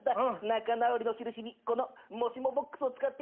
仲直りの印にこのもしもボックスを使っていいよ」